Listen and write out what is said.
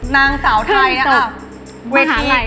นางสาวไทย